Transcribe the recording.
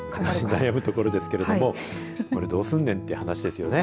悩むところですけれどこれどうすんねんという話ですよね。